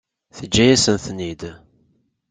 Teǧǧa-yasen-ten-id?